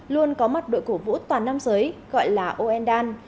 luôn có mặt đội cổ vũ toàn nam giới gọi là oendan